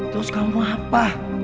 terus kamu apa